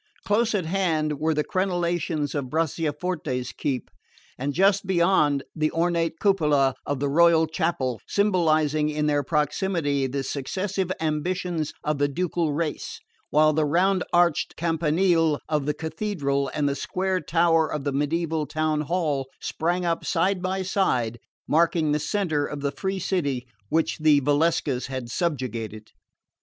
Close at hand were the crenellations of Bracciaforte's keep, and just beyond, the ornate cupola of the royal chapel, symbolising in their proximity the successive ambitions of the ducal race; while the round arched campanile of the Cathedral and the square tower of the mediaeval town hall sprang up side by side, marking the centre of the free city which the Valseccas had subjugated.